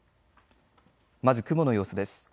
まず雲の様子です。